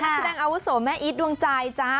นักแสดงอาวุโสแม่อีทดวงใจจ้า